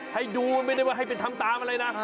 ให้ดูไม่ได้ว่าให้ไปทำตามอะไรนะ